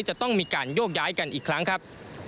จะต้องมีการโยกย้ายกันอีกครั้งครับ